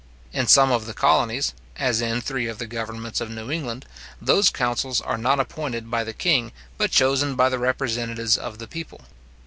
In some of the colonies, as in three of the governments of New England, those councils are not appointed by the king, but chosen by the representatives of the people.